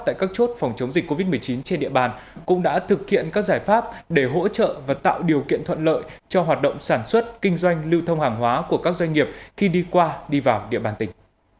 tại các chốt phòng chống dịch covid một mươi chín trên địa bàn cũng đã thực hiện các giải pháp để hỗ trợ và tạo điều kiện thuận lợi cho hoạt động sản xuất kinh doanh lưu thông hàng hóa của các doanh nghiệp khi đi qua đi vào địa bàn tỉnh